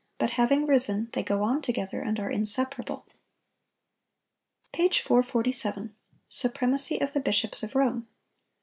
But having risen, they go on together, and are inseparable. Page 447. SUPREMACY OF THE BISHOPS OF ROME.